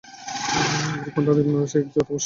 ইউরোপখণ্ডের আদিমনিবাসী এক জাত অবশ্য ছিল।